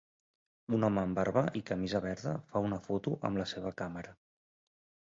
Un home amb barba i camisa verda fa una foto amb la seva càmera